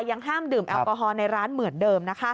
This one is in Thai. ยังห้ามดื่มแอลกอฮอลในร้านเหมือนเดิม